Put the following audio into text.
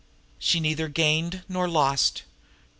She neither gained nor lost.